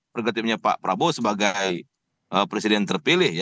pergantinya pak prabowo sebagai presiden terpilih